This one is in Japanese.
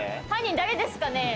犯人誰ですかね？